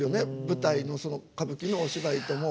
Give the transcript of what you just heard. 舞台のその歌舞伎のお芝居とも。